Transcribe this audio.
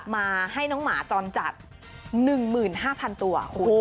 มาให้น้องหมาจรจัด๑๕๐๐๐ตัวคุณ